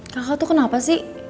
kakak tuh kenapa sih